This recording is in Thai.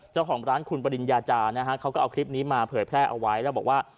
เจ้าของร้านคุณปริญญาจานะฮะเขาก็เอาคลิปนี้มาเผยแพร่เอาไว้แล้วบอกว่า